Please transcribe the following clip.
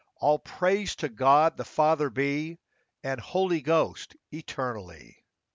All praise to God the Father be, And Holy Ghost, eternally !